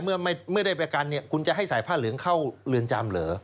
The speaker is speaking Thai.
เมื่อไม่ได้ประกันคุณจะให้ใส่ผ้าเหลืองเข้าเรือนจำเหรอ